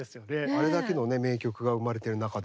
あれだけのね名曲が生まれてる中で。